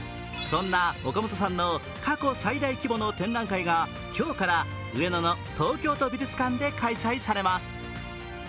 そんな岡本さんの過去最大規模の展覧会が、今日から上野の東京都美術館で開催されます。